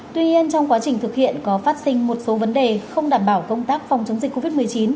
tuy nhiên trong quá trình thực hiện có phát sinh một số vấn đề không đảm bảo công tác phòng chống dịch covid một mươi chín